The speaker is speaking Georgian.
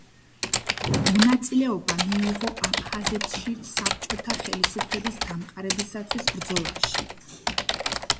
მონაწილეობა მიიღო აფხაზეთში საბჭოთა ხელისუფლების დამყარებისათვის ბრძოლაში.